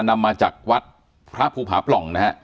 นำมาจากวัดพระภูผาปล่องนะฮะ